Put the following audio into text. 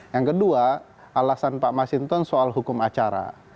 nah kedua alasan pak mas hinder soal hukum acara